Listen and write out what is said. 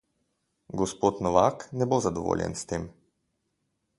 Gospod Novak ne bo zadovoljen s tem.